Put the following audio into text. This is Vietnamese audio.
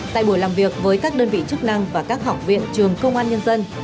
tại buổi làm việc với các đơn vị chức năng và các học viện trường công an nhân dân